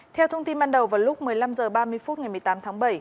theo thông tin ban đầu vào lúc một mươi năm h ba mươi phút ngày một mươi tám tháng bảy